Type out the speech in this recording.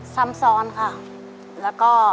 ซ้ำซ้อนค่ะแล้วก็